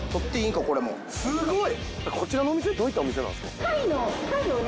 すごい！